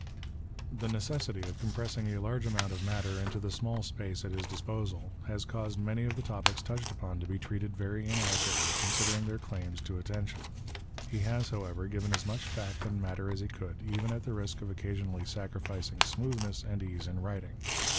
The necessity of compressing a large amount of matter into the small space at his disposal, has caused many of the topics touched upon to be treated very in adequately considering their claims to attention. He has, however, given as much fact and matter as he could, even at the risk of occasionallv sacrificins: smoothness and ease in writing.